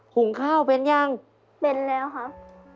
หุงข้าวเป็นยังเป็นแล้วครับ